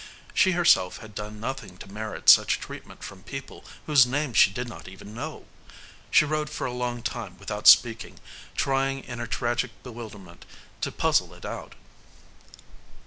She herself had done nothing to merit such treatment from people whose names she did not even know. She rode for a long time without speaking, trying, in her tragic bewilderment, to puzzle it out.